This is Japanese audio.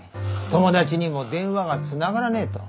友達にも電話がつながらねえと。